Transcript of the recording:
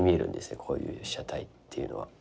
こういう被写体っていうのは。